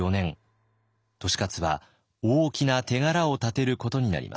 利勝は大きな手柄を立てることになります。